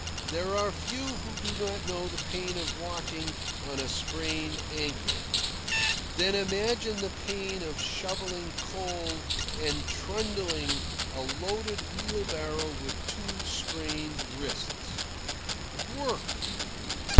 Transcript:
There are few who do not know the pain of walking on a sprained ankle. Then imagine the pain of shovelling coal and trundling a loaded wheelbarrow with two sprained wrists. Work!